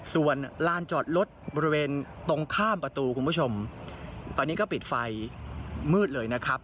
ส่วนลานจอดรถบริเวณตรงข้ามประตูคุณผู้ชมตอนนี้ก็ปิดไฟมืดเลยนะครับ